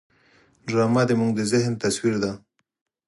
ډرامه زموږ د ذهن تصویر دی